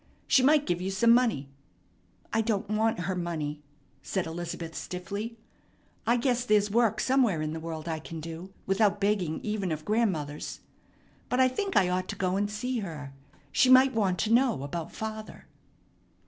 She might give you some money." "I don't want her money," said Elizabeth stiffly. "I guess there's work somewhere in the world I can do without begging even of grandmothers. But I think I ought to go and see her. She might want to know about father."